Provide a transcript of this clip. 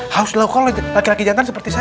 harus dilakukan oleh laki laki jantan seperti saya